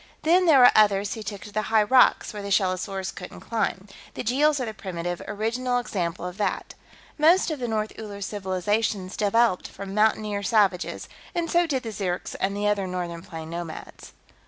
"Then, there were others who took to the high rocks, where the shellosaurs couldn't climb. The Jeels are the primitive, original example of that. Most of the North Uller civilizations developed from mountaineer savages, and so did the Zirks and the other northern plains nomads."